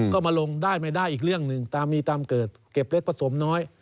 ก็มาลงได้ไม่ได้อีกเรื่องหนึ่งตามมีตามเกิดเก็บเล็กผสมน้อย